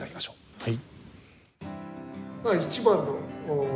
はい。